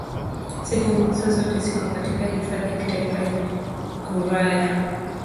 Sehemu hizo zote ziko katika Hifadhi ya Kitaifa ya Gouraya.